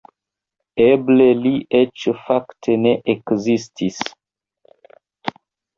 Eble li eĉ fakte ne ekzistis.